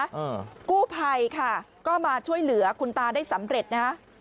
เออกู้ภัยค่ะก็มาช่วยเหลือคุณตาได้สำเร็จนะฮะ